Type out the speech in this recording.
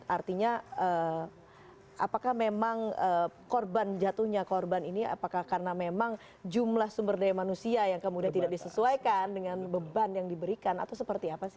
artinya apakah memang korban jatuhnya korban ini apakah karena memang jumlah sumber daya manusia yang kemudian tidak disesuaikan dengan beban yang diberikan atau seperti apa sih